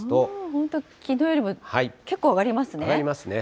本当、きのうよりも結構上がりますね。